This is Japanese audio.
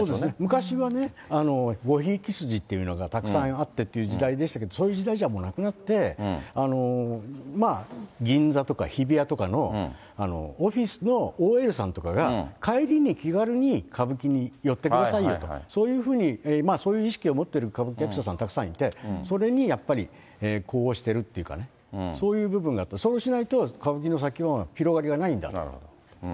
昔はね、ごひいき筋というのがたくさんあってという時代でしたけれども、そういう時代じゃもうなくなって、銀座とか日比谷とかのオフィスのＯＬさんとかが、帰りに気軽に歌舞伎に寄ってくださいよと、そういうふうに、そういう意識を持ってる歌舞伎役者さんたくさんいて、それにやっぱり呼応してるというかね、そういう部分があって、そうしないと歌舞伎の先の広がりがないんだと。